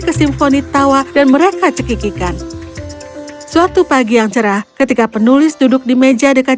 ke simfoni tawa dan mereka cekikikan suatu pagi yang cerah ketika penulis duduk di meja dekat